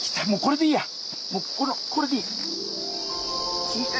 もうこれでいいや！